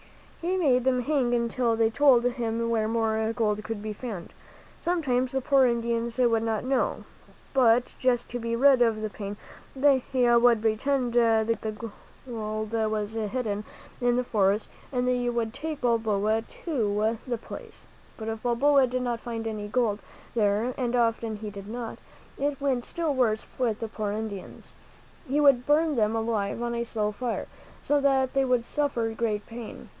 He made them hang there until they told him where more gold could be found. Sometimes the poor Indians would not know; but just to be rid of the pain, they would pretend that gold was hid den in the forest and they would take Balboa to ■^■■ ^m (0^ dM rjd.:i^ Wmik MEN WHO FOUND AMERICA ^jy h^^a the place. But if Balboa did not find any gold there, and often he did not, it went still worse with the poor Indians. He would burn them alive on a slow fire, so that they would suffer great pain.